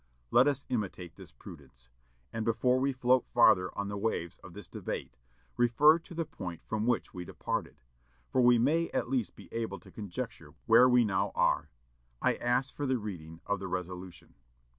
Let us imitate this prudence, and before we float farther on the waves of this debate, refer to the point from which we departed, that we may at least be able to conjecture where we now are. I ask for the reading of the resolution."